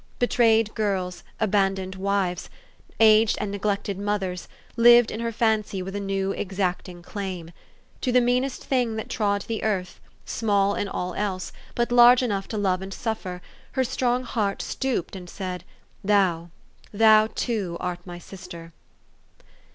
Betrayed girls, abandoned wives, aged and neglected mothers, lived in her fancy with a new, exacting claim. To the meanest thing that trod the earth, small in all else, but large enough to love and suffer, her strong heart stooped, and said, " Thou thou, too, art my sis ter."